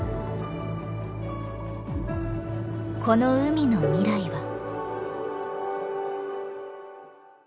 この海の未来は。